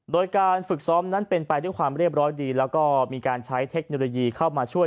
โดยการฝึกซ้อมนั้นเป็นไปด้วยความเรียบร้อยดีแล้วก็มีการใช้เทคโนโลยีเข้ามาช่วย